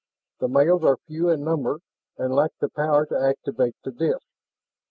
The males are few in number and lack the power to activate the disks.